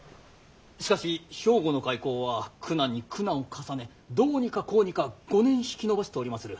しかし兵庫の開港は苦難に苦難を重ねどうにかこうにか５年引き延ばしておりまする。